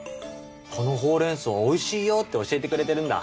このホウレンソウおいしいよって教えてくれてるんだ。